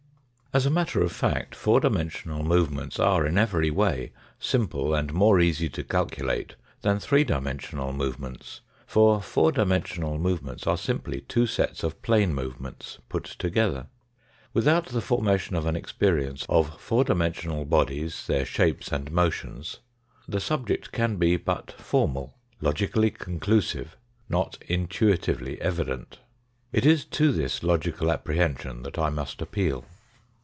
As a matter of fact, four dimensional movements are in every way simple and more easy to calculate than three dimensional movements, for four dimensional movements are simply two sets of plane movements put together. Without the formation of an experience of four dimensional bodies, their shapes and motions, the subject can be but formal logically conclusive, not intuitively evident. It is to this logical apprehension that I must appeal.